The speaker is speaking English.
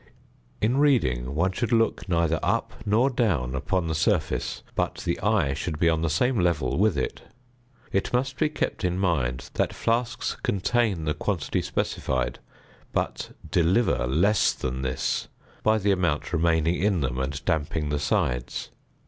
In reading, one should look neither up at nor down upon the surface, but the eye should be on the same level with it. It must be kept in mind that flasks contain the quantity specified, but deliver less than this by the amount remaining in them and damping the sides.